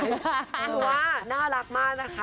คือว่าน่ารักมากนะคะ